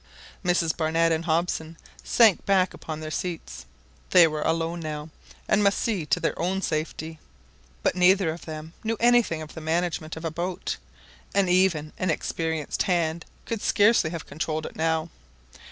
Mrs Barnett and Hobson sank back upon their seats. They were now alone, and must see to their own safety; but neither of them knew anything of the management of a boat, and even an experienced hand could scarcely have controlled it now.